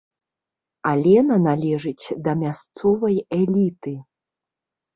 Алена належыць да мясцовай эліты.